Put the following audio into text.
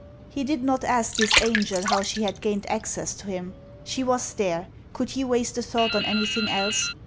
He did not ask this angel how she had gained access to him. She was there : could he waste a thought on any thing else